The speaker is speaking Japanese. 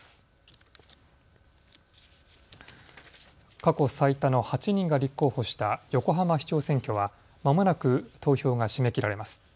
過去最多の８人が立候補した横浜市長選挙はまもなく投票が締め切られます。